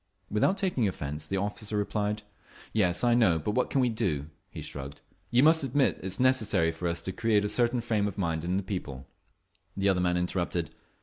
Without taking offence the officer replied, "Yes, I know; but what can we do?" He shrugged. "You must admit that it is necessary for us to create a certain frame of mind in the people…." The other man interrupted.